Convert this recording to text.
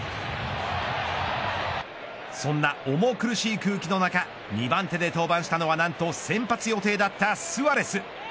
そんな重苦しい空気の中２番手で登板したのはなんと先発予定だったスアレス。